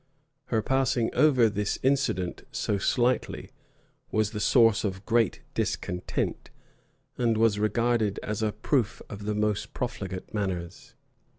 Her passing over this incident so slightly was the source of great discontent, and was regarded as a proof of the most profligate manners.